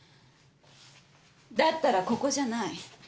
だったらここじゃない。